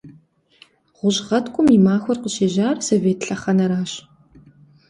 Гъущӏ гъэткӏум и махуэр къыщежьар совет лъэхъэнэрщ.